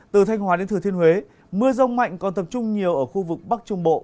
từ thanh hòa đến thừa thiên huế mưa rông mạnh còn tập trung nhiều ở khu vực bắc trung bộ